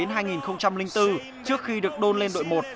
từ năm hai nghìn hai đến hai nghìn bốn trước khi được đôn lên đội một